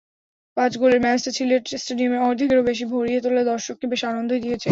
পাঁচ গোলের ম্যাচটা সিলেট স্টেডিয়ামের অর্ধেকেরও বেশি ভরিয়ে তোলা দর্শককে বেশ আনন্দই দিয়েছে।